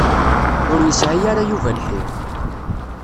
Ur yesɛi ara Yuba lḥir.